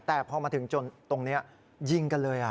แต่พอมาถึงจนตรงนี้ยิงกันเลย